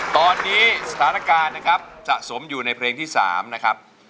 ตอนนี้สถานการณ์นะครับสะสมอยู่ในเพลงที่๓นะครับ